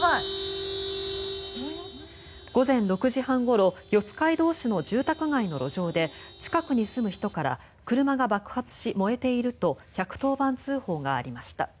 午前６時半ごろ四街道市の住宅街の路上で近くに住む人から車が爆発し、燃えていると１１０番通報がありました。